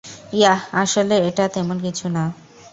Yeah, আসলে এটা তেমন কিছু না।